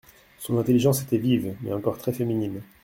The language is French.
Son intelligence était vive, mais encore très féminine.